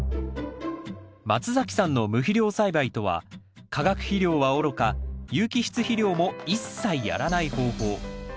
松崎さんの無肥料栽培とは化学肥料はおろか有機質肥料も一切やらない方法。